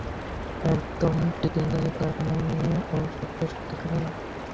একদম টিংটিঙে, তার মানে ও সবচেয়ে শক্তিশালী না?